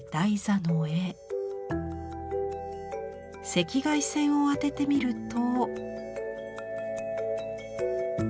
赤外線を当ててみると。